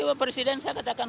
enggak cuma presiden saya katakan